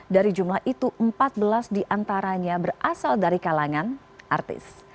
dari jumlah itu empat belas diantaranya berasal dari kalangan artis